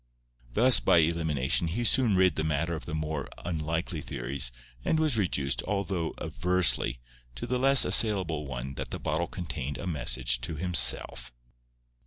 Thus by elimination he soon rid the matter of the more unlikely theories, and was reduced—though aversely—to the less assailable one that the bottle contained a message to himself.